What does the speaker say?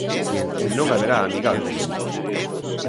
Non haberá amigables.